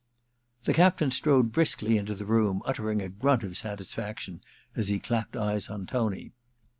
The captain strode briskly into the room, uttering a grunt of satisfaction as he clapped eyes on Tony.